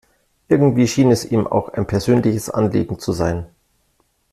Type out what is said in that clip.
Irgendwie schien es ihm auch ein persönliches Anliegen zu sein.